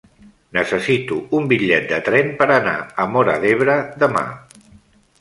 Necessito un bitllet de tren per anar a Móra d'Ebre demà.